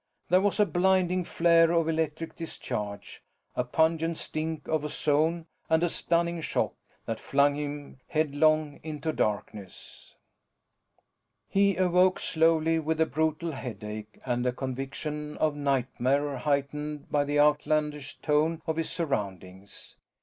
There was a blinding flare of electric discharge, a pungent stink of ozone and a stunning shock that flung him headlong into darkness. He awoke slowly with a brutal headache and a conviction of nightmare heightened by the outlandish tone of his surroundings.